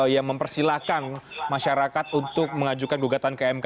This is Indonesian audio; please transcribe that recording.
yang mempersilahkan masyarakat untuk mengajukan gugatan ke mk